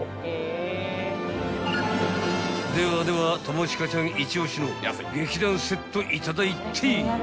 ［ではでは友近ちゃんイチオシの劇団セットいただいてぇ！］